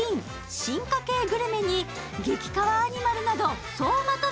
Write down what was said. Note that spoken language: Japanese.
進化形グルメに激かわアニマルなど総まとめ